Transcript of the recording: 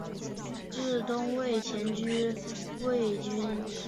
至东魏前属魏郡。